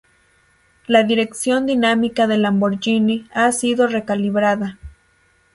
La Dirección Dinámica de Lamborghini ha sido re-calibrada.